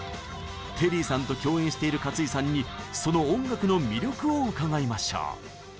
テリーさんと共演している勝井さんにその音楽の魅力を伺いましょう。